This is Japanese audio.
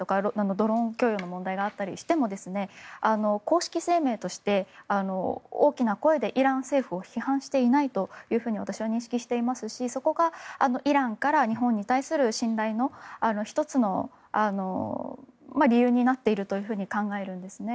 ドローン供与の問題があったりしても公式声明として大きな声でイラン政府を批判していないというふうに私は認識していますしそこがイランから日本に対する信頼の１つの理由になっていると考えるんですね。